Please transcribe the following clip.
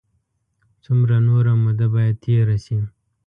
څومره نوره موده باید تېره شي.